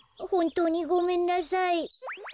ほんとうにごめんなさい！